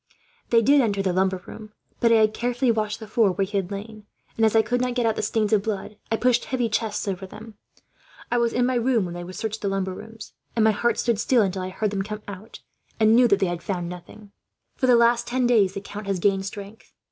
They did enter the lumber room. But I had carefully washed the floor where he had lain and, as I could not get out the stains of blood, I pushed some heavy chests over them. "'I was in my room when they searched the lumber room, and my heart stood still until I heard them come out, and knew that they had found nothing. "'For the last ten days, the count has gained strength.